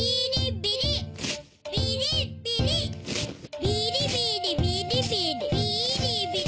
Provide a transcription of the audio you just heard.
ビリビリビリビリビーリビリ。